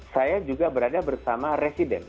saya juga berada bersama residen